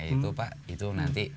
itu pak itu nanti